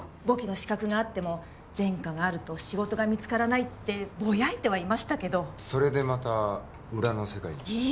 簿記の資格があっても前科があると仕事が見つからないってぼやいてはいましたけどそれでまた裏の世界に？